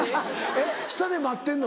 えっ下で待ってんの？